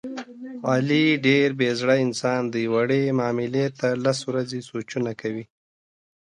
علي ډېر بې زړه انسان دی، وړې معاملې ته لس ورځې سوچونه کوي.